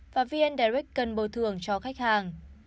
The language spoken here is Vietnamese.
và vn direct cần bồi thường cho khách hàng